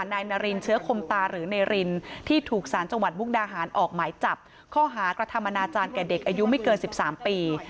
นายนารินเชื้อคมตาหรือนายรินที่ถูกสารจังหวัดมุกดาหารออกหมายจับข้อหากระทำอนาจารย์แก่เด็กอายุไม่เกิน๑๓ปี